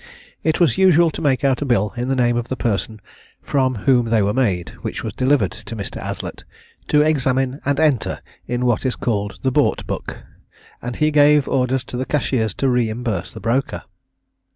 It was usual to make out a bill in the name of the person from whom they were made, which was delivered to Mr. Aslett, to examine and enter in what is called the Bought book, and he gave orders to the cashiers to reimburse the broker.